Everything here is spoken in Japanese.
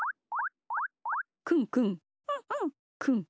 くんくん。